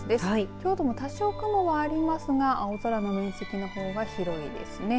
京都も多少雲はありますが青空の面積の方が広いですね。